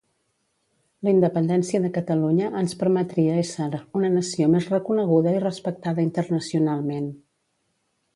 La independència de Catalunya ens permetria ésser una nació més reconeguda i respectada internacionalment